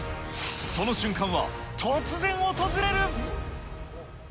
その瞬間は、突然訪れる。